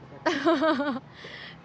kan jadi tandanya ada di sini